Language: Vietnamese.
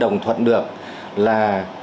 đồng thuận quốc tế